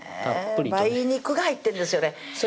梅肉が入ってるんですよね